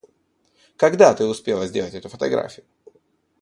Когда ты успела сделать эту фотографию?